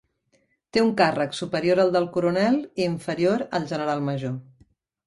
Té un càrrec superior al del coronel i inferior al general major.